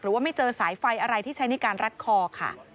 ไม่เจอสายไฟอะไรที่ใช้ในการรัดคอค่ะ